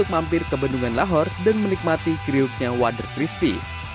mampir ke bendungan lahor dan menikmati kriuknya wader crispy